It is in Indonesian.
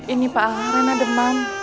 ini pak al reina demam